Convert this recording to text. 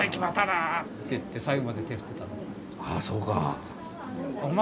あそうか。